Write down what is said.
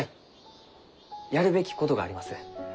やるべきことがあります。